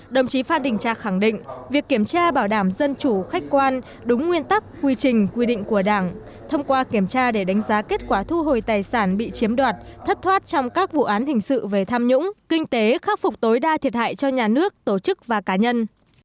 đồng chí phan đình trạc khẳng định việc kiểm tra bảo đảm dân chủ khách quan đúng nguyên tắc quy trình quy định của đảng thông qua kiểm tra để đánh giá kết quả thu hồi tài sản bị chiếm đoạt thất thoát trong các vụ án hình sự về tham nhũng kinh tế khắc phục tối đa thiệt hại cho nhà nước tổ chức và cá nhân